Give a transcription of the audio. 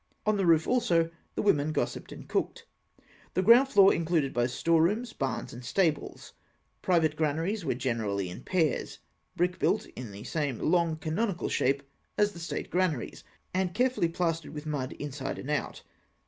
On the roof also the women gossiped and cooked. The ground floor included both store rooms, barns, and stables. Private granaries were generally in pairs (see fig. 11), brick built in the same long conical shape as the state granaries, and carefully plastered with mud inside and out.